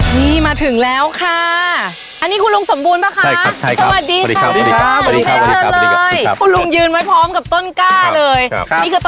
นี่มาถึงแล้วค่ะอันนี้คุณลุงสมบูรณ์ป่ะคะใช่ครับใช่ครับสวัสดีครับสวัสดีครับสวัสดีครับ